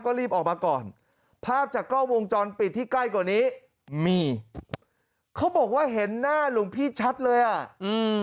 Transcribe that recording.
ก็รีบออกมาก่อนภาพจากกล้องวงจรปิดที่ใกล้กว่านี้มีเขาบอกว่าเห็นหน้าหลวงพี่ชัดเลยอ่ะอืม